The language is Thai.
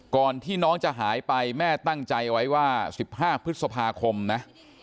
ก่อนที่น้องจะหายไปแม่ตั้งใจไว้ว่า๑๕พฤษภาคมนะ